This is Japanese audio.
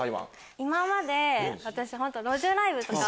今まで私路上ライブとか。